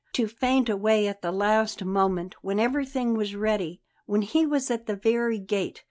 To faint away at the last moment, when everything was ready; when he was at the very gate!